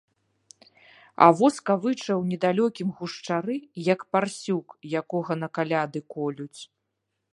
А во скавыча ў недалёкім гушчары, як парсюк, якога на каляды колюць.